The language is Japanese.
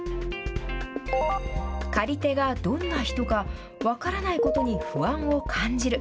借り手がどんな人か分からないことに不安を感じる。